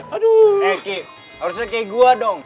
eh ki harusnya kayak gua dong